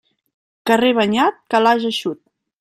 Carrer banyat, calaix eixut.